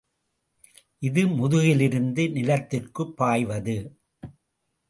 இது முகிலிலிருந்து நிலத்திற்குப் பாய்வது.